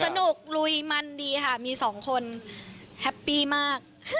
สนุกลุยมันดีค่ะมีสองคนแฮปปี้มาก